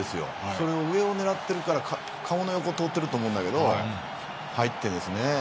それを上を狙ってるから顔の横を通ってると思うんだけど入って。